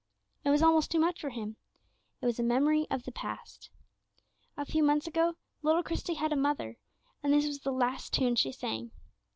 It was almost too much for him; it was a memory of the past. A few months ago, little Christie had a mother, and this was the last tune she sang.